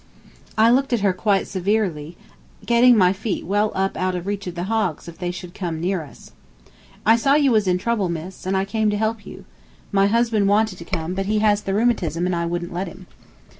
I looked at her quite severe, getting my feet well up out of reach of the hogs if they should come near us. "I saw you was in trouble, miss, and I came to help you. My husband wanted to come, but he has the rheumatism and I wouldn't let him."